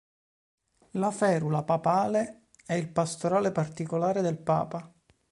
La ferula papale è il pastorale particolare del papa.